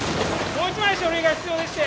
もう１枚書類が必要でして！